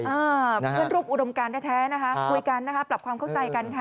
เพื่อนรูปอุดมการก็แท้คุยกันปรับความเข้าใจกัน